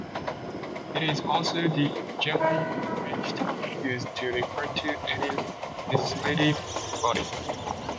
It is also the generic French term used to refer to any legislative body.